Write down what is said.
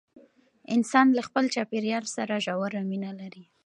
انسان له خپل چاپیریال سره ژوره مینه لري.